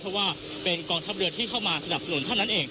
เพราะว่าเป็นกองทัพเรือที่เข้ามาสนับสนุนเท่านั้นเอง